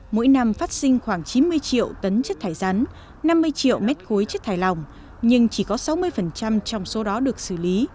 mỗi năm phát sinh khoảng chín mươi triệu tấn chất thải rắn năm mươi triệu mét khối chất thải lòng nhưng chỉ có sáu mươi trong số đó được xử lý